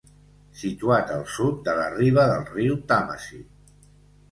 Situat al sud de la riba del riu Tàmesi.